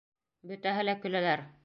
Бөтәһе лә көләләр.